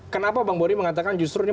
kenapa bang bori mengatakan justru ini